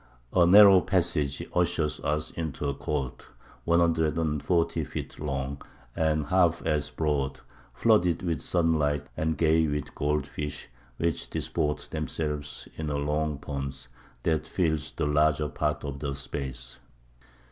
A narrow passage ushers us into a court one hundred and forty feet long, and half as broad, flooded with sunlight and gay with gold fish, which disport themselves in a long pond that fills the larger part of the space.